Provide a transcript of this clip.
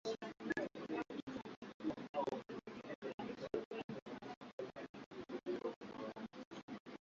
alisema wananchi wengi wamechagua mabadiliko ya katiba ya nchi yanayolenga kuiongoza misri